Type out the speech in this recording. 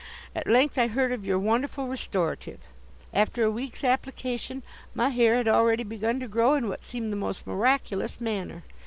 At length I heard of your wonderful restorative. After a week's application, my hair had already begun to grow in what seemed the most miraculous manner.